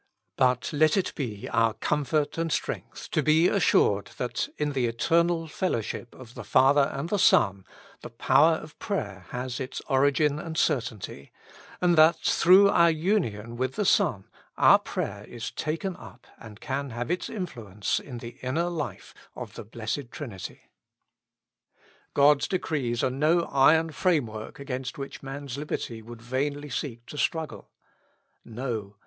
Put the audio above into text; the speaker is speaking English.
But let it be our comfort and strength to be assured that in the eternal fellow ship of the Father and the Son, the power of prayer has its origin and certainty, and that through our union with the Son, our prayer is taken up and can 139 With Christ in the School of Prayer. have its influence in the inner life of the Blessed Trinity. God's decrees are no iron framework against which man's liberty would vainly seek to struggle. No.